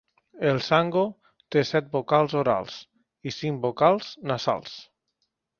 El sango té set vocals orals i cinc vocals nasals.